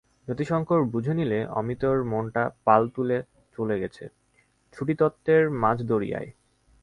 যতিশংকর বুঝে নিলে, অমিতর মনটা পাল তুলে চলে গেছে ছুটিতত্ত্বের মাঝদরিয়ায়।